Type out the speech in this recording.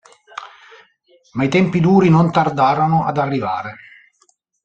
Ma i tempi duri non tardarono ad arrivare.